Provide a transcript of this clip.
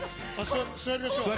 座りましょう。